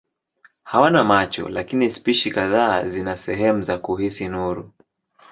Hawana macho lakini spishi kadhaa zina sehemu za kuhisi nuru.